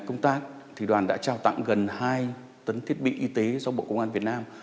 công tác thì đoàn đã trao tặng gần hai tấn thiết bị y tế do bộ công an việt nam